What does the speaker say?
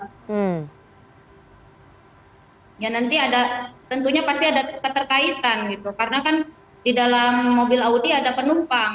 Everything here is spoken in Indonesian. ya nanti ada tentunya pasti ada keterkaitan gitu karena kan di dalam mobil audi ada penumpang